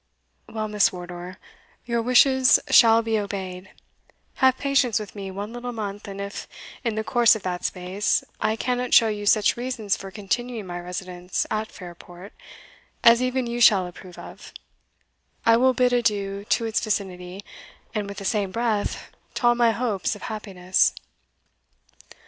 "Well, Miss Wardour, your wishes shall be obeyed; have patience with me one little month, and if, in the course of that space, I cannot show you such reasons for continuing my residence at Fairport, as even you shall approve of, I will bid adieu to its vicinity, and, with the same breath, to all my hopes of happiness."